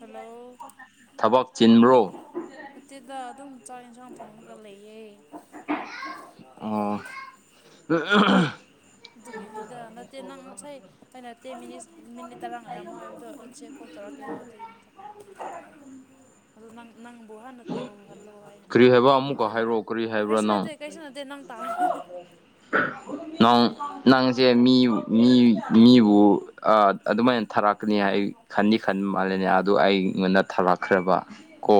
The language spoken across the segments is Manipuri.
ꯍꯂꯣ ꯍꯆꯦꯗ ꯑꯗꯨꯝ ꯆꯥꯛ ꯌꯦꯟꯁꯥꯡ ꯊꯣꯡꯉꯒ ꯂꯩꯌꯦ ꯑꯣ ꯑꯗꯨꯒꯤꯅꯤꯗ ꯅꯠꯇꯦ ꯅꯪ ꯉꯁꯥꯏ ꯑꯩꯅ ꯇꯦ ꯃꯤꯅꯤꯠ ꯃꯤꯅꯤꯠ ꯇꯔꯥ ꯉꯥꯏꯔꯝꯃꯣ ꯍꯥꯏꯕꯗꯣ ꯏ ꯆꯦꯛ ꯀꯣꯜ ꯇꯧꯔꯛꯀꯦ ꯍꯥꯏꯕ ꯑꯗꯨꯒꯤꯅꯤꯗ ꯅ ꯅꯪꯕꯣ ꯍꯥꯟꯅ ꯇꯧ ꯍꯜꯂꯣ ꯍꯥꯏꯅ ꯈꯜꯂꯣ ꯀꯩꯁꯨ ꯅꯠꯇꯦ ꯀꯩꯁꯨ ꯅꯠꯇꯦ ꯅꯪ ꯇꯥꯔ ꯅ ꯅꯪꯁꯦ ꯃꯤꯕꯨ ꯑꯗꯨꯃꯥꯏꯅ ꯊꯥꯔꯛꯀꯅꯤ ꯍꯥꯏ ꯈꯟꯅꯤ ꯈꯟꯕ ꯃꯥꯜꯂꯦꯅꯦ ꯑꯗꯣ ꯑꯩꯉꯣꯟꯗ ꯊꯥꯂꯛꯈ꯭ꯔꯕ ꯀꯣ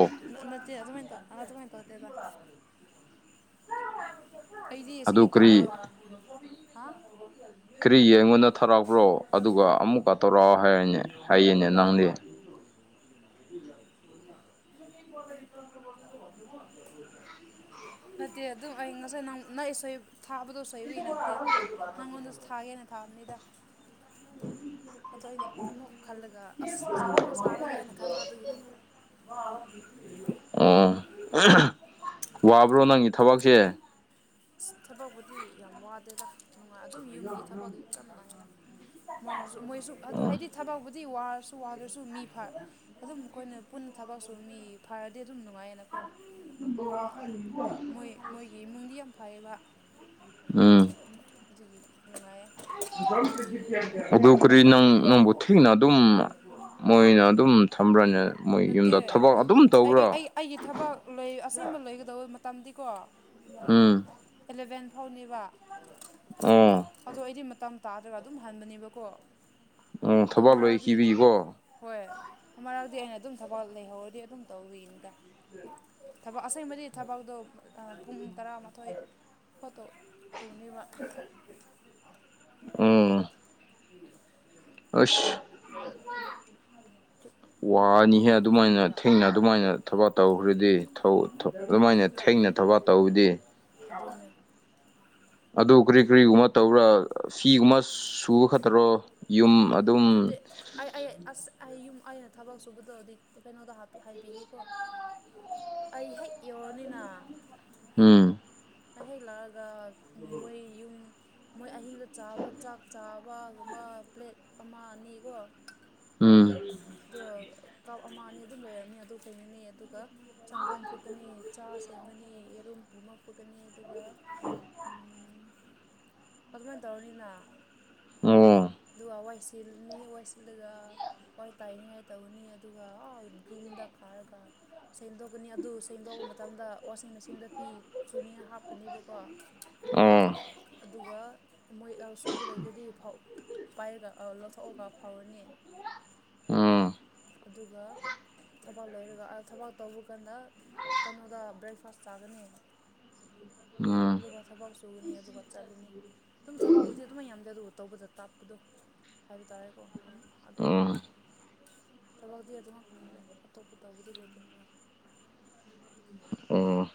ꯅꯠꯇꯦ ꯑꯗꯨꯃꯥꯏꯅ ꯇ ꯅ ꯑꯗꯨꯃꯥꯏ ꯇꯧꯗꯦꯗ ꯑꯩꯗꯤ ꯁꯤ ꯇꯧꯕꯗꯣ ꯍꯥ ꯀꯔꯤ ꯌꯦꯡꯉꯣꯗ ꯊꯥꯔꯛꯄ꯭ꯔꯣ ꯑꯗꯨꯒ ꯑꯃꯨꯛꯀ ꯇꯧꯔꯛꯑꯣ ꯍꯥꯏꯔꯅꯦ ꯍꯥꯏꯌꯦꯅꯦ ꯅꯪꯅꯦ [inaudible] [unintelligible] ꯅꯠꯇꯦ ꯑꯗꯨꯝ ꯑꯩ ꯉꯁꯥꯏ ꯅꯪ ꯏꯁꯩ ꯊꯥꯕꯗꯣ ꯁꯣꯏꯕꯒꯤ ꯅꯠꯇꯦ ꯅꯪꯉꯣꯟꯗꯁꯨ ꯊꯥꯒꯦꯅ ꯊꯥꯕꯅꯤꯗ ꯎꯝ ꯑ ꯑꯩꯅ ꯑꯃꯨꯛ ꯈꯜꯂꯒ ꯑꯁ ꯍꯧꯖꯤꯛ ꯋꯥꯔꯤ ꯁꯥꯔꯒꯦ ꯍꯥꯏꯅ ꯈꯟꯕ ꯑꯗꯨꯒꯤꯅꯦ ꯑꯣ ꯋꯥꯕ꯭ꯔꯣ ꯅꯪꯒꯤ ꯊꯕꯛꯁꯦ ꯑꯁ ꯊꯕꯛꯄꯨꯗꯤ ꯌꯥꯝ ꯋꯥꯗꯦꯗ ꯅꯨꯡꯉꯥꯏ ꯑꯗꯨꯝ ꯌꯨꯝꯒꯤ ꯊꯕꯛ ꯆꯞ ꯃꯥꯟꯅꯥꯏꯅ ꯃꯣꯏꯅꯁꯨ ꯃꯣꯏꯁꯨ ꯑꯗꯨ ꯍꯥꯏꯗꯤ ꯊꯕꯥꯎꯕꯨꯗꯤ ꯋꯥꯔꯁꯨ ꯋꯥꯗ꯭ꯔꯁꯨ ꯃꯤ ꯐ ꯑꯗꯨꯝ ꯑꯩꯈꯣꯏꯅ ꯄꯨꯟꯅ ꯊꯕꯛꯁꯨ ꯃꯤ ꯐꯔꯗꯤ ꯑꯗꯨꯝ ꯅꯨꯡꯉꯥꯏꯌꯦꯅꯀꯣ ꯍꯕ ꯑ ꯃꯣꯏ ꯃꯣꯏꯒꯤ ꯏꯃꯨꯡꯗꯤ ꯌꯥꯝ ꯐꯩꯌꯦꯕ ꯎꯝ ꯑꯩꯈꯣꯏꯒꯤ ꯅꯨꯡꯉꯥꯏꯌꯦ ꯑꯗꯨ ꯀꯔꯤ ꯅꯪ ꯅꯪꯕꯨ ꯊꯤꯅ ꯑꯗꯨꯝ ꯃꯣꯏꯅ ꯑꯗꯨꯝ ꯊꯝꯕ꯭ꯔꯅꯦ ꯃꯣꯏ ꯌꯨꯝꯗ ꯊꯕꯛ ꯑꯗꯨꯝ ꯇꯧꯕ꯭ꯔꯥ ꯂꯣꯏ ꯑꯁꯦꯡꯕ ꯂꯣꯏꯒꯗꯧꯕ ꯃꯇꯝꯗꯤꯀꯣ ꯎꯝ ꯑꯦꯂꯚꯦꯟ ꯐꯥꯎꯅꯦꯕ ꯎꯝ ꯑꯗꯣ ꯑꯩꯗꯤ ꯃꯇꯝ ꯇꯥꯗ꯭ꯔꯒ ꯑꯗꯨꯝ ꯍꯟꯕꯅꯦꯕꯀꯣ ꯑꯗꯣ ꯃꯔꯛꯗꯤ ꯍꯣꯏ ꯃꯔꯛꯇꯗꯤ ꯑꯩꯅ ꯑꯗꯨꯝ ꯊꯕꯛ ꯂꯩꯍꯧꯔꯗꯤ ꯑꯗꯨꯝ ꯇꯧꯕꯤꯅꯤꯗ ꯊꯕꯥꯛ ꯑꯁꯦꯡꯕꯔꯤ ꯊꯕꯥꯛꯇꯣ ꯄꯨꯡ ꯇꯔꯥꯃꯥꯊꯣꯏ ꯐꯣꯇꯣ ꯇꯧꯅꯤꯕ ꯎꯝ ꯑꯗꯨꯅ ꯑꯁ ꯍ ꯋꯥꯅꯤꯍꯦ ꯑꯗꯨꯃꯥꯏꯅ ꯊꯦꯡꯅ ꯑꯗꯨꯃꯥꯏꯅ ꯊꯕꯛ ꯇꯧꯈ꯭ꯔꯗꯤ ꯑꯗꯨꯃꯥꯏꯅ ꯊꯦꯡꯅ ꯊꯕꯛ ꯇꯧꯕꯗꯤ ꯑꯗꯨꯅꯦ ꯑꯗꯨ ꯀ꯭ꯔꯤ ꯀꯔꯤꯒꯨꯝꯕ ꯇꯧꯔ ꯐꯤꯒꯨꯝꯕ ꯁꯨꯕ ꯈꯛꯇꯔꯣ ꯌꯨꯝ ꯑꯗꯨꯝ ꯑꯩ ꯑꯩ ꯑꯁ ꯑꯩ ꯌꯨꯝ ꯑꯩꯅ ꯊꯕꯛ ꯁꯨꯕꯗꯣꯗꯤ ꯀꯩꯅꯣꯗꯄꯤ ꯍꯥꯏꯕꯤꯒꯦꯀꯣ ꯑꯩ ꯍꯦꯛ ꯌꯧꯔꯅꯤꯅ ꯎꯝ ꯑꯍꯦꯛ ꯂꯥꯛꯑꯒ ꯃꯣꯏ ꯌꯨꯝ ꯃꯣꯏ ꯑꯍꯤꯡꯗ ꯆꯥꯕ ꯆꯥꯛ ꯆꯥꯕꯒꯨꯝꯕ ꯄ꯭ꯂꯦꯠ ꯑꯃ ꯑꯅꯤꯀꯣ ꯑ ꯀꯞ ꯑꯃ ꯑꯅꯤ ꯑꯗꯨꯝ ꯂꯩꯔꯝꯅꯤ ꯑꯗꯨ ꯈꯅꯤꯅꯦ ꯑꯗꯨꯒ ꯁꯪꯒꯣꯝ ꯐꯨꯀꯅꯤ ꯆꯥ ꯁꯦꯝꯒꯅꯤ ꯌꯦꯔꯨꯝ ꯑꯃ ꯐꯨꯀꯅꯤ ꯑꯗꯨꯒ ꯐꯨꯡ ꯑꯗꯨꯃꯥꯏꯅ ꯇꯧꯅꯤꯅ ꯑꯣ ꯑꯗꯨꯒ ꯋꯥꯏꯁꯤꯜꯂꯅꯤ ꯋꯥꯏꯁꯤꯜꯂꯒ ꯍꯣꯏ ꯇꯥꯏꯅꯤꯉꯥꯏ ꯇꯧꯒꯅꯤ ꯑꯗꯨꯒ ꯔꯨꯝꯗ ꯈꯥꯔꯒ ꯁꯦꯡꯗꯣꯛꯀꯅꯤ ꯑꯗꯨ ꯁꯦꯡꯗꯣꯛꯑꯄ ꯃꯇꯝꯗ ꯋꯥꯁꯤꯡ ꯃꯦꯆꯤꯟꯗ ꯐꯤ ꯆꯨꯅꯤꯉ ꯍꯥꯞꯀꯅꯦꯕꯀꯣ ꯑꯗꯨꯒ ꯃꯣꯏ ꯁꯨꯕꯨ ꯂꯩꯈ꯭ꯔꯗꯤ ꯄꯥꯏꯔꯒ ꯂꯧꯊꯣꯛꯑꯒ ꯐꯥꯎꯔꯅꯤ ꯎꯝ ꯑꯗꯨꯒ ꯊꯕꯥꯛ ꯂꯣꯏꯔꯒ ꯊꯕꯥꯛ ꯇꯧꯕ ꯀꯥꯟꯗ ꯀꯩꯅꯣꯗ ꯕ꯭ꯔꯦꯛꯐꯥꯁ ꯆꯥꯒꯅꯤ ꯑꯗꯨꯒ ꯊꯕꯛ ꯁꯨꯅꯤ ꯑꯗꯨꯒ ꯆꯠꯂꯅꯤ ꯑꯗꯨꯝ ꯊꯕꯥꯎꯕꯨꯗꯤ ꯑꯗꯨꯝ ꯌꯥꯝꯗꯦ ꯑꯗꯨꯕꯨ ꯇꯧꯕꯗ ꯇꯥꯛꯞꯄꯗꯣ ꯍꯥꯏꯕ ꯇꯥꯔꯦꯀꯣ ꯑꯗꯨꯝ ꯊꯕꯛꯇꯗꯤ ꯑꯗꯨ ꯉꯥꯛꯇꯅꯤꯗ ꯑꯇꯣꯞꯄ ꯇꯧꯕꯗꯤ ꯂꯩꯇꯦ ꯑꯣ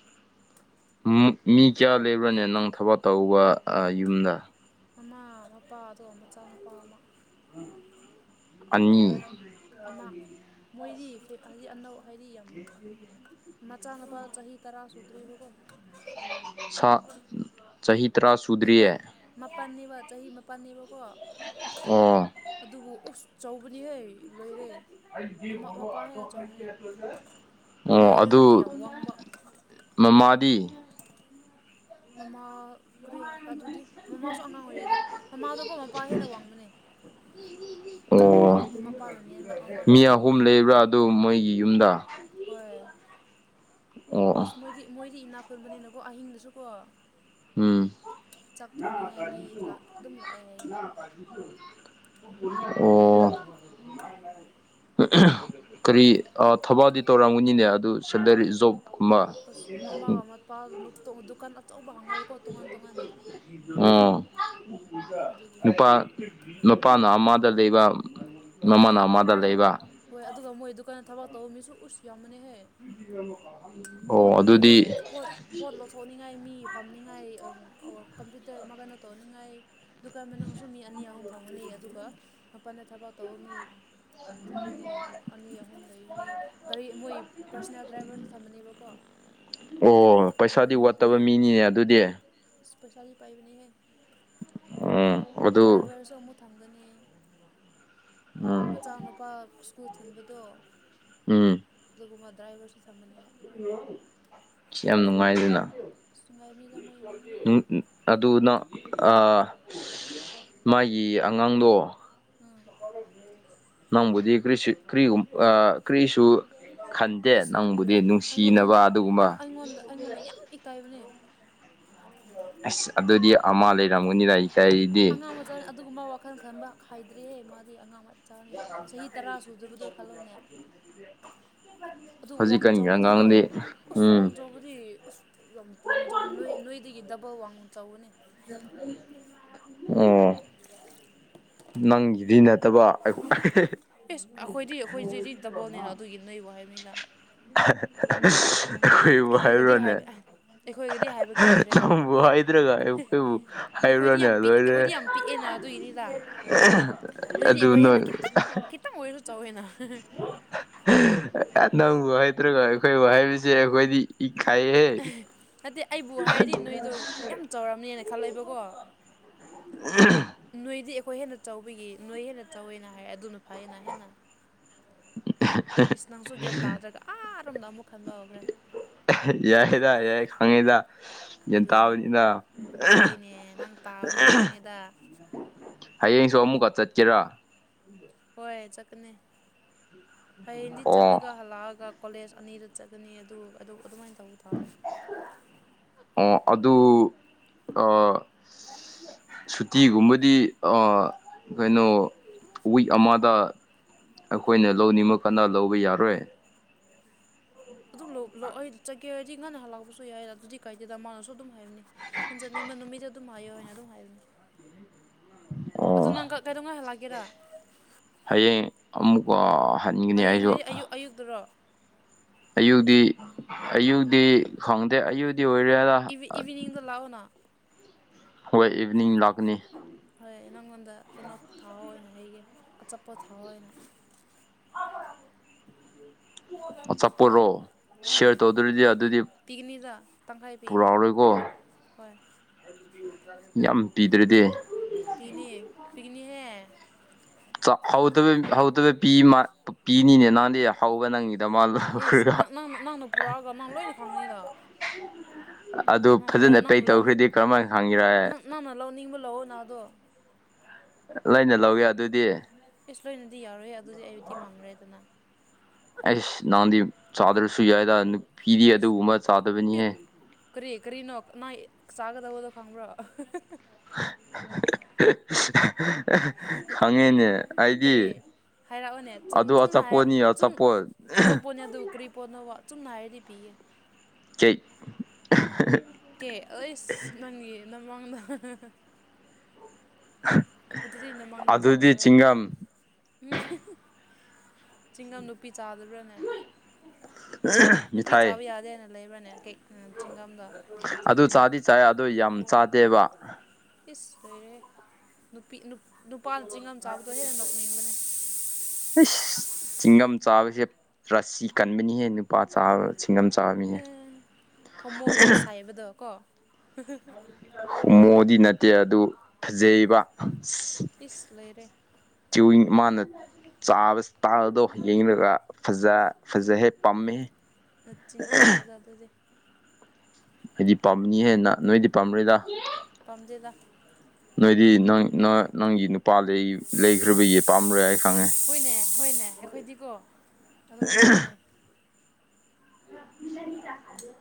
ꯃꯤ ꯀꯌꯥ ꯂꯩꯕꯨꯔꯅꯦ ꯅꯪ ꯊꯕꯛ ꯇꯧꯕ ꯌꯨꯝꯗ ꯃꯃꯥ ꯃꯄꯥ ꯑꯗꯨꯒ ꯃꯆꯥꯅꯄꯥ ꯑꯃ ꯑꯅꯤ ꯑꯃ ꯃꯣꯏꯗꯤ ꯍꯥꯏꯗꯤ ꯑꯅꯧ ꯍꯥꯏꯗꯤ ꯌꯥꯝ ꯃꯆꯥꯅꯨꯄꯥ ꯆꯍꯤ ꯇꯔꯥ ꯁꯨꯗ꯭ꯔꯦꯕꯀꯣ ꯁ ꯆꯍꯤꯥꯍꯤ ꯇꯔꯥ ꯅꯤꯄꯥꯜ ꯃꯥꯄꯜꯅꯦꯕ ꯆꯍꯤ ꯃꯄꯜꯅꯦꯕꯀꯣ ꯎꯝ ꯑꯗꯨꯕꯨ ꯎꯁ ꯆꯥꯎꯧꯕꯅꯤꯍꯩ ꯂꯣꯏꯔꯦ ꯑꯣ ꯑꯗꯨ ꯃꯃꯥꯗꯤ ꯃꯃꯥ ꯀꯔꯤ ꯑꯗꯨꯗꯤ ꯃꯃꯥꯁꯨ ꯑꯉꯥꯡ ꯑꯣꯏꯔꯤꯦꯗ ꯃꯃꯥꯗꯀꯣ ꯃꯄꯥ ꯍꯦꯟꯅ ꯋꯥꯡꯕꯅꯦ ꯎꯝ ꯎꯝ ꯃꯄꯥꯅ ꯅꯦꯟꯕ ꯃꯃꯥꯅ ꯋꯥꯡꯕ ꯑꯗꯨ ꯃꯣꯏꯒꯤ ꯌꯨꯝꯗ ꯍꯣꯏ ꯑꯁ ꯃꯣꯏꯗꯤ ꯃꯣꯏꯗꯤ ꯏꯅꯥꯈꯨꯟꯕꯅꯤꯅꯀꯣ ꯑꯍꯤꯡꯗꯁꯨꯀꯣ ꯆꯥꯛ ꯊꯣꯡꯅꯤꯡꯉꯥꯏ ꯃꯤ ꯑꯗꯨꯝ ꯂꯥꯛꯑꯦ ꯍꯥꯏꯌꯦ ꯑꯣ ꯀꯔꯤ ꯑꯥ ꯊꯕꯛꯗꯤ ꯇꯧꯔꯝꯒꯅꯤꯅꯦ ꯑꯗꯨ ꯁꯦꯟꯇꯔꯦꯟ ꯖꯣꯕꯀꯨꯝꯕ ꯑꯁ ꯃꯃꯥꯒ ꯃꯄꯥꯗ ꯗꯨꯀꯥꯟ ꯑꯆꯧꯕ ꯍꯪꯉꯦꯕꯀꯣ ꯇꯣꯉꯥꯟ ꯇꯣꯉꯥꯟꯅ ꯑꯣ ꯅꯨꯄꯥ ꯅꯨꯄꯥꯅ ꯑꯃꯗ ꯂꯩꯕ ꯃꯃꯥꯅ ꯑꯃꯥꯗ ꯂꯩꯕ ꯍꯣꯏ ꯑꯗꯨꯒ ꯃꯣꯏ ꯗꯨꯀꯥꯟꯗ ꯊꯕꯛ ꯇꯧꯕ ꯃꯤꯁꯨ ꯎꯁ ꯌꯥꯝꯕꯅꯦꯍꯦ ꯄꯣꯠ ꯄꯣꯠ ꯄꯣ ꯄꯣꯂ ꯊꯣꯛꯅꯤꯡꯉꯥꯏ ꯃꯤ ꯐꯝꯅꯤꯡꯉꯥꯏ ꯀꯝꯄ꯭ꯌꯨꯇꯔ ꯑꯃ ꯀꯩꯅꯣ ꯇꯧꯅꯤꯡꯉꯥꯏ ꯗꯨꯀꯥꯟ ꯃꯅꯨꯡꯁꯨ ꯃꯤ ꯑꯅꯤ ꯑꯍꯨꯝ ꯐꯪꯒꯅꯤ ꯑꯗꯨꯒ ꯃꯄꯥꯟꯗ ꯊꯕꯛ ꯇꯧꯕ ꯃꯤ ꯑꯗꯨꯝ ꯃꯤ ꯑꯅꯤ ꯑꯍꯨꯝ ꯂꯩꯌꯨꯅꯦ ꯒꯥꯔꯤ ꯃꯣꯏ ꯄꯔꯁꯣꯅꯦꯜ ꯗ꯭ꯔꯥꯏꯚꯔꯁꯨ ꯊꯝꯃꯅꯦꯕꯀꯣ ꯑꯣ ꯄꯩꯁꯥꯗꯤ ꯋꯥꯠꯇꯕ ꯃꯤꯅꯤꯅꯦ ꯑꯗꯨꯗꯤ ꯏꯁꯄꯩꯁꯥꯗꯤ ꯄꯥꯏꯕꯅꯦꯍ ꯎꯝ ꯗ꯭ꯔꯥꯏꯚꯔꯁꯨ ꯑꯃꯨꯛ ꯊꯝꯒꯅꯤ ꯎꯝ ꯃꯆꯥꯅꯨꯄꯥ ꯁ꯭ꯀꯨꯜ ꯊꯤꯟꯕꯗꯣ ꯎꯝ ꯑꯗꯨꯒꯨꯝꯕ ꯗ꯭ꯔꯥꯏꯕꯔꯁꯨ ꯊꯝꯕꯅꯕ ꯌꯥꯝ ꯅꯨꯡꯉꯥꯏꯔꯤꯅ ꯁꯨꯉꯥꯏꯕꯅꯤꯗ ꯃꯣꯏ ꯏꯃꯨꯡꯗꯤ ꯑꯗꯨ ꯅꯪ ꯑꯥ ꯃꯥꯒꯤ ꯑꯉꯥꯡꯗꯣ ꯎꯝ ꯅꯪꯕꯨꯗꯤ ꯀ꯭ꯔꯤꯁꯨ ꯀ꯭ꯔꯤꯒꯨꯝꯕ ꯀ꯭ꯔꯤꯁꯨ ꯈꯟꯗꯦ ꯅꯪꯕꯨꯗꯤ ꯅꯨꯡꯁꯤꯅꯕ ꯑꯗꯨꯒꯨꯝꯕ ꯑꯩꯉꯣꯟꯗ ꯌꯥꯝ ꯏꯀꯥꯏꯕꯅꯦ ꯑꯁ ꯑꯗꯨꯗꯤ ꯑꯃ ꯂꯩꯔꯝꯒꯅꯤꯗ ꯏꯀꯥꯏꯔꯗꯤ [unintelligible] ꯑꯗꯨꯒꯨꯝꯕ ꯋꯥꯈꯜ ꯈꯟꯕ ꯍꯥꯏꯗ꯭ꯔꯤꯍꯦ ꯃꯥꯗꯤ ꯑꯉꯥꯡ ꯆꯥꯅꯤ ꯆꯍꯤ ꯇꯔꯥ ꯁꯨꯗꯕꯗꯣ ꯈꯜꯂꯣꯅꯦ ꯑꯗꯨ ꯋꯥꯡꯆꯥꯎꯕꯗꯤꯀꯣ ꯑꯨꯁ ꯋꯥꯡꯆꯥꯎ ꯑꯗꯨꯕꯨꯗꯤ ꯑꯁ ꯌꯥꯝ ꯋꯥꯡ ꯆꯧꯕ ꯅꯣꯏ ꯅꯣꯏꯗꯒꯤ ꯗꯕꯜ ꯋꯥꯡꯆꯥꯎꯕꯅꯦ [unintelligible] [unintelligible] ꯅꯪꯒꯤꯗꯤ ꯅꯠꯇꯕ ꯏꯁ ꯑꯩꯈꯣꯏꯗꯤ ꯑꯩꯈꯣꯏꯖꯤꯗꯤ ꯗꯕꯜꯅꯤꯅ ꯑꯗꯨꯒꯤ ꯅꯣꯏꯕꯨ ꯍꯥꯏꯕꯅꯤꯗ [unintelligible] ꯑꯩꯈꯣꯏꯕꯨ ꯍꯥꯏꯕꯔꯅꯦ ꯅꯪꯕꯨ ꯍꯥꯏꯗ꯭ꯥꯔꯒ ꯑꯩꯈꯣꯏꯕꯨ ꯍꯥꯏꯕ꯭ꯔꯅꯦ ꯂꯣꯏꯔꯦ ꯑꯗꯨ ꯅꯣꯏ ꯈꯤꯇꯪ ꯑꯣꯏꯁꯨ ꯆꯥꯎꯋꯦꯅ ꯅꯪꯕꯨ ꯍꯥꯏꯇ꯭ꯔꯒ ꯑꯩꯈꯣꯏꯕꯨ ꯍꯥꯏꯕꯁꯦ ꯑꯩꯈꯣꯏꯗꯤ ꯏꯀꯥꯏꯍꯦ ꯅꯠꯇꯦ ꯑꯩꯕꯨ ꯍꯥꯏꯔꯤꯗꯤ ꯅꯣꯏꯗꯣ ꯌꯥꯝ ꯆꯥꯎꯔꯝꯅꯦꯅ ꯈꯜꯂꯕꯀꯣ ꯅꯣꯏꯗꯤ ꯑꯩꯈꯣꯏ ꯍꯦꯟꯅ ꯆꯥꯎꯕꯒꯤ ꯅꯣꯏ ꯍꯦꯟꯅ ꯆꯥꯎꯋꯦꯅ ꯍꯥꯏ ꯑꯗꯨꯅ ꯐꯩꯌꯦꯅ ꯍꯦꯟꯅ [inaudible] ꯏꯁ ꯅꯪꯁꯨ ꯒꯌꯥꯟ ꯇꯥꯗ꯭ꯔꯒ ꯑꯥꯔꯣꯝꯗ ꯑꯃꯨꯛ ꯈꯟꯕ ꯍꯧꯈ꯭ꯔꯦ ꯌꯥꯏꯗ ꯌꯥꯏ ꯈꯪꯉꯦꯗ ꯒꯌꯦꯟ ꯇꯥꯕꯅꯤꯅ ꯍꯣꯏꯅꯦ ꯅꯪ ꯇꯥꯕꯅꯦ ꯑꯩ ꯈꯪꯉꯦꯗ ꯍꯌꯦꯡꯁꯨ ꯑꯃꯨꯛꯀ ꯆꯠꯀꯦꯔꯥ ꯍꯣꯏ ꯆꯠꯀꯅꯤ ꯍꯌꯦꯡꯗꯤ ꯆꯠꯂꯒ ꯍꯜꯂꯛꯑꯒ ꯀꯣꯂꯤꯖ ꯑꯅꯤꯗ ꯆꯠꯀꯅꯤ ꯑꯗꯨ ꯑꯗꯨ ꯑꯗꯨꯃꯥꯏꯅ ꯇꯧꯕ ꯇꯥꯔꯦ ꯑꯣ ꯑꯗꯨ ꯑꯥ ꯁꯨꯇꯤꯒꯨꯝꯕꯗꯤ ꯑꯥ ꯀꯩꯅꯣ ꯋꯤꯛ ꯑꯃꯥꯗ ꯑꯩꯈꯣꯏꯅ ꯂꯧꯅꯤꯡꯕ ꯀꯥꯟꯗ ꯂꯧꯕ ꯌꯥꯔꯣꯏ ꯑꯗꯨꯝ ꯂꯣꯛ ꯂꯣꯛꯑꯩꯗ ꯆꯠꯀꯦ ꯍꯥꯏꯔꯗꯤ ꯉꯟꯅ ꯍꯜꯂꯛꯄꯁꯨ ꯌꯥꯏꯅ ꯑꯗꯨꯗꯤ ꯀꯥꯏꯗꯦꯗ ꯃꯥꯅꯁꯨ ꯑꯗꯨꯝ ꯍꯥꯏꯕꯅꯤ ꯍꯣꯟꯖꯟꯅꯤꯡꯕ ꯅꯨꯃꯤꯇꯣ ꯑꯗꯨꯝ ꯍꯥꯏꯌꯣ ꯍꯥꯏꯅ ꯑꯗꯨꯝ ꯍꯥꯏꯕꯅꯦ ꯑꯗꯨ ꯅꯪꯒ ꯀꯩꯗꯧꯉꯥꯏ ꯍꯜꯂꯛꯒꯦꯔꯥ ꯍꯌꯦꯡ ꯑꯃꯨꯛꯀ ꯍꯟꯒꯅꯤ ꯑꯩꯁꯨ ꯑꯌꯨꯛꯇꯔꯣ ꯑꯌꯨꯛꯇꯤ ꯑꯌꯨꯛꯇꯤ ꯈꯪꯗꯦ ꯑꯌꯨꯛꯇꯤ ꯑꯣꯏꯔꯦꯏꯗ ꯏꯚꯤ ꯏꯚꯤꯅꯤꯡꯗ ꯂꯥꯛꯑꯣꯅ ꯍꯣꯏ ꯏꯚꯤꯅꯤꯡ ꯂꯥꯛꯀꯅꯤ ꯍꯣꯏ ꯅꯪꯉꯣꯟꯗ ꯀꯩꯅꯣ ꯊꯥꯎꯑꯣꯏꯅ ꯍꯥꯏꯒꯦ ꯑꯆꯥꯄꯣꯠ ꯊꯥꯎꯑꯣꯏꯅ ꯑꯆꯥꯄꯣꯔꯣ ꯁꯤꯌꯔ ꯇꯧꯗꯔꯗꯤ ꯑꯗꯨꯗꯤ ꯄꯨꯔꯛꯑꯔꯣꯏꯀꯣ ꯍꯣꯏ ꯌꯥꯝ ꯄꯤꯗ꯭ꯔꯗꯤ ꯄꯤꯅꯤ ꯄꯤꯒꯅꯤꯍꯦ [unintelligible] [unintelligible] ꯄꯨꯔꯛꯑꯒꯥ ꯃꯥꯥꯡ ꯂꯣꯏꯅ ꯈꯪꯒꯅꯤꯗ ꯑꯗꯨ ꯐꯖꯅ ꯄꯦꯛ ꯇꯧꯈ꯭ꯔꯗꯤ ꯀꯃꯥꯏ ꯍꯥꯡꯒꯗꯔꯥ ꯑꯦ ꯅꯪꯅ ꯂꯧꯅꯤꯡꯕ ꯂꯧꯑꯣꯅ ꯑꯗꯣ ꯂꯣꯏꯅ ꯂꯧꯒꯦ ꯑꯗꯨꯗꯤ ꯏꯁ ꯂꯣꯏꯅꯗꯤ ꯌꯥꯔꯣꯏꯑꯦ ꯑꯗꯨꯗꯤ ꯑꯩꯗꯤ ꯃꯥꯡꯔꯦꯗꯅ ꯑꯩꯁ ꯅꯍꯥꯟꯗꯤ ꯆꯥꯗ꯭ꯔꯁꯨ ꯌꯥꯏꯗ ꯅꯨꯄꯤꯗꯤ ꯑꯗꯨꯒꯨꯝꯕ ꯆꯥꯗꯕꯅꯤꯍꯦ ꯀꯔꯤ ꯀꯔꯤꯅꯣ ꯅꯣꯏ ꯆꯥꯒꯗꯕꯗꯣ ꯈꯪꯕ꯭ꯔꯣ ꯑꯍꯥ ꯍꯥ ꯈꯪꯉꯦꯅꯦ ꯑꯩꯗꯤ ꯍꯥꯏꯔꯛꯑꯣꯅꯦ ꯆꯨꯝ ꯆꯨꯝꯅ ꯍꯥꯏ ꯆꯨꯝ ꯑꯆꯥꯄꯣꯠꯅꯦ ꯑꯗꯨ ꯀꯔꯤ ꯄꯣꯠꯅꯣꯕꯥ ꯆꯨꯝꯅ ꯍꯥꯏꯔꯥꯗꯤ ꯄꯤꯒꯦ [unintelligible] ꯀꯦ ꯑꯩꯁ ꯅꯪꯒꯤ ꯅꯃꯥꯡꯗ [unintelligible] ꯑꯗꯨꯗꯤ ꯅꯃꯥꯡꯗ ꯆꯥꯍꯧꯔꯣ ꯎꯝ ꯍꯝ ꯍꯝ ꯆꯤꯡꯒꯝ ꯅꯨꯄꯤ ꯆꯥꯗꯕ꯭ꯔꯥꯅꯦ ꯅꯨꯄꯤ ꯆꯥꯕ ꯌꯥꯗꯦꯅ ꯂꯩꯕ꯭ꯔꯅꯦ ꯀꯦꯛ ꯑꯥ ꯆꯤꯡꯒꯝꯗꯣ ꯑꯗꯣ ꯆꯥꯗꯤ ꯆꯥꯏ ꯑꯗꯨ ꯌꯥꯝ ꯆꯥꯗꯦꯕ ꯏꯁ ꯂꯣꯏꯔꯦꯍꯦ ꯅꯨꯄꯤ ꯅꯨꯄꯥꯅ ꯆꯤꯡꯒꯝ ꯆꯥꯕꯗꯣ ꯍꯦꯟꯅ ꯅꯣꯛꯅꯤꯡꯕꯅꯦ ꯑꯩꯁ ꯆꯤꯡꯒꯝ ꯆꯥꯕꯁꯦ ꯔꯥꯁꯤ ꯀꯟꯕꯅꯤꯍꯦ ꯄꯥ ꯆꯥꯔꯣꯏ ꯁꯤꯡꯒꯝ ꯆꯥꯒꯅꯤꯌꯦ ꯍꯥꯏꯕꯗꯣꯀꯣ [unintelligible] ꯍꯨꯝꯃꯣꯗꯤ ꯅꯠꯇꯦ ꯑꯗꯨ ꯐꯖꯩꯌꯦꯕꯥ ꯏꯁ ꯂꯩꯔꯦ ꯇꯨꯏꯤꯡ ꯃꯥꯅ ꯆꯥꯕ ꯏꯁꯇꯥꯏꯜꯗꯣ ꯌꯦꯡꯂꯒ ꯐꯖ ꯐꯖꯍꯦ ꯄꯥꯝꯃꯦꯍꯦ ꯅꯆꯤꯟ ꯊꯤꯒꯅꯨꯗ ꯑꯗꯨꯗꯤ ꯑꯩꯗꯤ ꯄꯥꯝꯅꯤꯍꯦ ꯅꯥ ꯅꯣꯏꯗꯤ ꯄꯥꯝꯔꯣꯏꯗ ꯄꯥꯝꯗꯦꯗ ꯅꯣꯏꯗꯤ ꯅꯪ ꯅꯥ ꯅꯪꯒꯤ ꯅꯨꯄꯥ ꯂꯩ ꯂꯩꯈ꯭ꯔꯕꯒꯤ ꯄꯥꯝꯃꯔꯣꯏ ꯑꯩ ꯈꯪꯉꯦ ꯅꯦ ꯍꯣꯏꯅꯦ ꯑꯩꯈꯣꯏꯗꯤꯀꯣ ꯑꯗꯨꯃꯥꯏꯅ ꯇꯧꯕꯅꯦ [inaudible]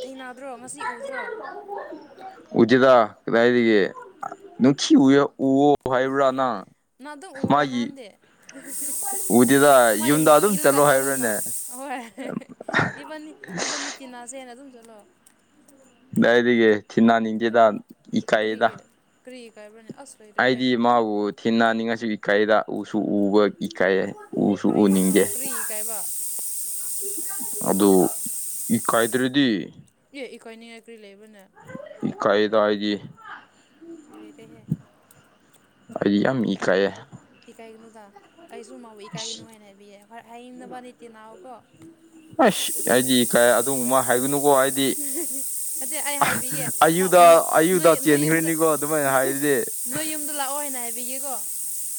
ꯊꯦꯡꯅꯗ꯭ꯔꯣ ꯉꯁꯤ ꯎꯗ꯭ꯔꯣ [inaudible] ꯎꯗꯦꯗ ꯀꯗꯥꯏꯗꯒꯤ ꯑ ꯅꯨꯡꯊꯤ ꯎꯌꯣ ꯎꯋꯣ ꯍꯥꯏꯕ꯭ꯔꯥ ꯅꯪ ꯅꯪ ꯑꯗꯨꯝ ꯎꯕ꯭ꯔꯥ ꯅꯍꯥꯟꯗꯤ ꯃꯥꯏ ꯃꯇꯨꯡ ꯏꯜꯂꯒ ꯆꯠꯂꯣꯅ ꯑꯍꯣꯏ ꯏꯕꯅꯤ ꯏꯕꯅꯤ ꯇꯤꯅꯥꯁꯦꯅ ꯑꯗꯨꯝ ꯆꯠꯂꯣ ꯗꯥꯏꯗꯒꯤ ꯊꯤꯅ ꯅꯤꯡꯗꯦꯗ ꯏꯀꯥꯏꯌꯦꯗ ꯀ꯭ꯔꯤ ꯏꯀꯥꯏꯕ꯭ꯔꯅꯦ ꯑꯩꯗꯤ ꯃꯥꯕꯨ ꯊꯤꯅꯅꯤꯡꯉꯥꯁꯨ ꯏꯀꯥꯏꯌꯦꯗ ꯎꯁꯨ ꯎꯕ ꯏꯀꯥꯏꯌꯦ ꯀ꯭ꯔꯤꯒꯤꯅꯣ ꯀ꯭ꯔꯤ ꯏꯀꯥꯏꯕ ꯑꯗꯨ ꯏꯀꯥꯏꯗ꯭ꯔꯗꯤ ꯑꯦ ꯏꯀꯥꯏꯅꯤꯡꯉꯥꯏ ꯀꯔꯤ ꯂꯩꯕꯔꯅꯦ ꯏꯀꯥꯏꯌꯦꯗ ꯑꯩꯗꯤ ꯂꯩꯔꯦꯍꯦ ꯑꯩ ꯌꯥꯝ ꯏꯀꯥꯏꯑꯦ ꯏꯀꯥꯏꯒꯅꯨꯗ ꯑꯩꯁꯨ ꯃꯥꯥꯕꯨ ꯏꯀꯥꯏꯒꯅꯨ ꯍꯥꯏꯅ ꯍꯥꯏꯕꯤꯒꯦ ꯍꯣꯏ ꯍꯌꯦꯡ ꯅꯕꯟꯅꯤ ꯇꯤꯅꯧꯑꯣꯀꯣ ꯑꯁ ꯑꯩꯗꯤ ꯏꯀꯥꯏ ꯑꯗꯨꯕꯨ ꯃꯥ ꯍꯥꯏꯒꯅꯨꯀꯣ ꯍꯥꯏꯗꯤ ꯍꯥ ꯑꯩꯌꯨꯗ ꯑꯩꯌꯨꯗ ꯆꯦꯟꯈ꯭ꯔꯅꯤꯀꯣ ꯑꯗꯨꯃꯥꯏꯅ ꯍꯥꯏ [unintelligible] ꯌꯨꯝꯗ ꯂꯥꯛꯑꯣ ꯍꯥꯏꯅ ꯍꯥꯏꯕꯤꯒꯦꯀꯣ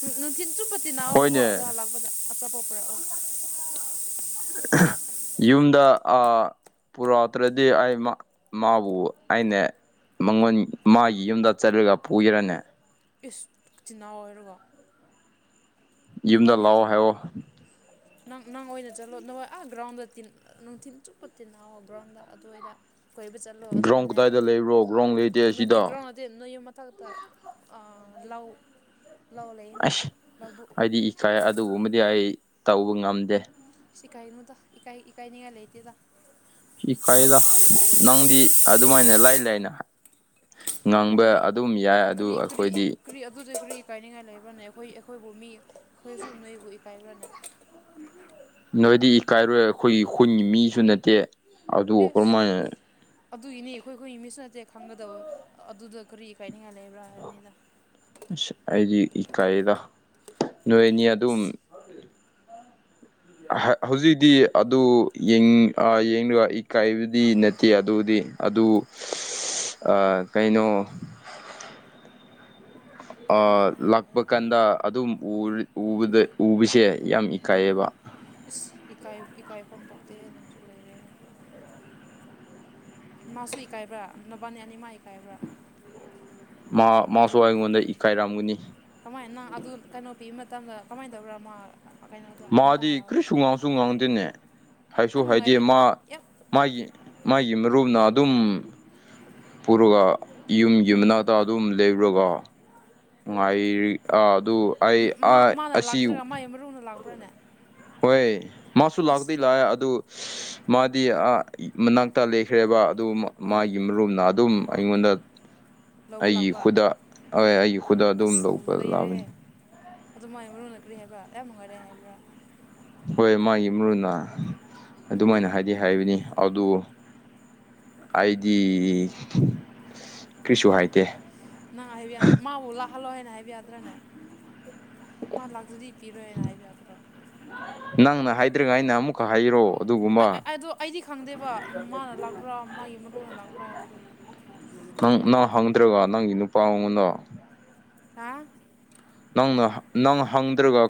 ꯅꯨꯡ ꯅꯨꯡꯊꯤꯟ ꯆꯨꯞꯄ ꯇꯤꯟꯅꯧꯑꯣꯕꯀꯣ ꯑꯗꯣ ꯍꯜꯂꯛꯄꯗ ꯑꯆꯥꯄꯣꯠ ꯄꯨꯔꯛꯑꯣ ꯌꯨꯝꯗ ꯑ ꯄꯨꯔꯥꯛꯇ꯭ꯔꯗꯤ ꯑꯩ ꯃꯥ ꯃꯥꯕꯨ ꯑꯩꯅꯦ ꯃꯉꯣꯟ ꯃꯥꯒꯤ ꯌꯨꯝꯗ ꯆꯠꯂꯒ ꯐꯨꯒꯦꯔꯅꯦ ꯏꯁ ꯏꯆꯤꯟꯅꯥꯎ ꯑꯣꯏꯔꯒ ꯅꯕꯥꯟꯅꯤ ꯏꯆꯤꯟ ꯏꯅꯧ ꯅꯪ ꯅꯪ ꯑꯣꯏꯅ ꯆꯠꯂꯣ ꯅꯣꯏ ꯑꯥ ꯒ꯭ꯔꯥꯎꯟꯗ ꯅꯨꯡꯊꯤꯟ ꯆꯨꯞꯄ ꯇꯤꯟꯅꯑꯣ ꯑꯣꯒꯔꯝꯗ ꯑꯗꯨꯋꯥꯏꯗ ꯀꯣꯏꯕ ꯆꯠ ꯒ꯭ꯔꯥꯎꯟ ꯀꯗꯥꯏꯗ ꯂꯩꯕ꯭ꯔꯣ ꯒ꯭ꯔꯥꯎꯟ ꯂꯩꯇꯦ ꯑꯁꯤꯗ ꯑꯗꯨ ꯅꯣꯏ ꯌꯨꯝ ꯃꯊꯛꯇ ꯑꯥ ꯂꯧ ꯑꯁ ꯑꯩꯗꯤ ꯏꯀꯥꯏ ꯑꯗꯨꯒꯨꯝꯕꯗꯤ ꯑꯩ ꯇꯧꯕ ꯉꯝꯗꯦ ꯑꯦꯁ ꯀꯥꯏꯒꯥꯅꯨꯗ ꯏꯀꯥꯏ ꯏꯀꯥꯏꯅꯤꯡꯉꯥꯏ ꯂꯩꯇꯦꯗ ꯏꯀꯥꯏꯌꯦꯗ ꯅꯪꯗꯤ ꯑꯗꯨꯃꯥꯏꯅ ꯂꯥꯏꯅ ꯂꯥꯏꯅ ꯉꯥꯡꯕ ꯑꯗꯨꯝ ꯌꯥꯏ ꯑꯗꯨ ꯑꯩꯈꯣꯏꯗꯤ ꯀꯔꯤ ꯑꯗꯨꯗ ꯀꯔꯤ ꯏꯀꯥꯏꯅꯤꯡꯉꯥꯏ ꯂꯩꯕ꯭ꯔꯥꯅꯦ ꯑꯩꯈꯣꯏ ꯑꯩꯈꯣꯏꯕꯨ ꯃꯤ ꯑꯩꯈꯣꯏꯁꯨ ꯅꯣꯏꯕꯨ ꯏꯀꯥꯏꯕ꯭ꯔꯥꯅꯦ ꯅꯣꯏꯗꯤ ꯏꯀꯥꯏꯔꯣꯏ ꯑꯩꯈꯣꯏꯒꯤ ꯈꯨꯟꯒꯤ ꯃꯤꯁꯨ ꯅꯠꯇꯦ ꯌꯦꯁ ꯑꯗꯨꯒꯤꯅꯤ ꯑꯩꯈꯣꯏ ꯑꯩꯈꯣꯏ ꯒꯤ ꯃꯤꯁꯨ ꯅꯠꯇꯦ ꯈꯪꯒꯗꯕ ꯑꯗꯨꯗ ꯀꯔꯤ ꯏꯀꯥꯏꯅꯤꯡꯉꯥꯏ ꯂꯩꯕ꯭ꯔꯥ ꯍꯥꯏꯕꯅꯤꯗ ꯑꯁ ꯑꯩꯗꯤ ꯏꯀꯥꯏꯌꯦꯗ ꯅꯣꯏꯅꯤ ꯑꯗꯨꯝ [inaudible] ꯍꯥ ꯍꯧꯖꯤꯛꯇꯤ ꯑꯗꯨ ꯌꯦꯡ ꯑ ꯌꯦꯡꯂꯒ ꯏꯀꯥꯏꯕꯗꯤ ꯅꯠꯇꯦ ꯑꯗꯨꯗꯤ ꯑꯗꯨ ꯑ ꯀꯩꯅꯣ ꯑ ꯂꯥꯛꯄ ꯀꯥꯟꯗ ꯑꯗꯨꯝ ꯎꯔꯤ ꯎꯕꯗ ꯎꯕꯁꯦ ꯌꯥꯝ ꯏꯀꯥꯏꯌꯦꯕ ꯏꯁ ꯏꯀꯥꯏ ꯏꯀꯥꯏꯐꯝ ꯊꯣꯛꯇꯦꯍꯦ ꯅꯪꯁꯨ ꯂꯩꯔꯦꯍꯦ ꯃꯥꯁꯨ ꯏꯀꯥꯏꯕ꯭ꯔꯥ ꯅꯕꯥꯟꯅꯤ ꯑꯅꯤꯃꯛ ꯃꯥ ꯃꯥꯁꯨ ꯑꯩꯉꯣꯟꯗ ꯏꯀꯥꯏꯔꯝꯒꯅꯤ ꯀꯃꯥꯏꯅ ꯑꯗꯨ ꯀꯩꯅꯣ ꯄꯤꯕ ꯃꯇꯝꯗ ꯀꯃꯥꯏꯅ ꯇꯧꯕꯔꯥ ꯃꯥ ꯃꯥꯗꯤ ꯀꯔꯤꯁꯨ ꯉꯥꯡꯁꯨ ꯉꯥꯡꯗꯦꯅꯦ ꯍꯥꯏꯁꯨ ꯍꯥꯏꯗꯦ ꯃꯥ ꯃꯥꯏ ꯃꯥꯒꯤ ꯃꯔꯨꯞꯅ ꯑꯗꯨꯝ ꯄꯨꯔꯒ ꯌꯨꯝꯒꯤ ꯃꯅꯥꯛꯇ ꯑꯗꯨꯝ ꯂꯩꯔꯨꯔꯒ ꯉꯅꯨꯡꯥꯏꯔꯤ ꯑꯗꯨ ꯑꯩ ꯑꯁꯤ ꯃꯔꯨꯅ ꯂꯥꯛ ꯅ ꯍꯣꯏ ꯃꯥꯁꯨ ꯂꯥꯛꯇꯣꯏ ꯂꯥꯛꯑꯦ ꯑꯗꯨ ꯃꯥꯗꯤ ꯃꯅꯥꯛꯇ ꯂꯩꯈ꯭ꯔꯦꯕ ꯑꯗꯨ ꯃꯥꯒꯤ ꯃꯔꯨꯝꯅ ꯑꯗꯨꯝ ꯑꯩꯉꯣꯟꯗ ꯑꯩꯒꯤ ꯈꯨꯗ ꯍꯣꯏ ꯑꯩꯒꯤ ꯈꯨꯗ ꯑꯗꯨꯝ ꯂꯧꯕ ꯂꯥꯛꯑꯕꯅꯤ ꯑꯗꯨꯃꯥꯏ ꯃꯔꯨꯅ ꯀ꯭ꯔꯤ ꯍꯥꯏꯕ꯭ꯔꯥ ꯌꯥꯝ ꯅꯨꯡꯉꯥꯏꯔꯦ ꯍꯥꯏꯕ꯭ꯔꯥ ꯍꯣꯏ ꯃꯥꯒꯤ ꯃꯔꯨꯅ ꯑꯗꯨꯃꯥꯏꯅ ꯍꯥꯏꯗꯤ ꯍꯥꯏꯕꯅꯤ ꯑꯗꯨ ꯍꯥꯏꯗꯤ ꯅꯪ ꯍꯥꯏꯕ ꯌꯥꯝ ꯃꯥꯕꯨ ꯂꯥꯛꯍꯜꯂꯣ ꯍꯥꯏꯅ ꯍꯥꯏꯕ ꯌꯥꯗ꯭ꯔꯥꯅꯦ ꯃꯥ ꯂꯥꯛꯇꯔꯥꯗꯤ ꯄꯤꯔꯣꯏꯅ ꯍꯥꯏꯕ ꯌꯥꯗꯔꯣ ꯅꯪꯅ ꯍꯥꯏꯗ꯭ꯔꯤꯉꯥꯏꯅ ꯑꯃꯨꯛ ꯀ ꯍꯥꯏꯛꯣ ꯑꯗꯣ ꯑꯩꯗꯤ ꯈꯪꯗꯦꯕ ꯃꯥꯅ ꯂꯥꯛꯄ꯭ꯔꯥ ꯃꯥꯒꯤ ꯃꯔꯅ ꯂꯥꯛꯄ꯭ꯔꯥ ꯍꯥꯏꯕꯗꯨ ꯅꯪ ꯅꯪ ꯍꯪꯗ꯭ꯔꯒ ꯅꯪꯒꯤ ꯅꯨꯄꯥ ꯃꯉꯅꯣ ꯍꯥ ꯅꯪꯅ ꯅꯪ ꯍꯪꯗ꯭ꯔꯒ